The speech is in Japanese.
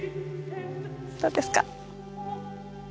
どうですか？